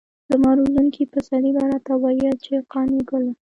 زما روزونکي پسرلي به راته ويل چې قانع ګله.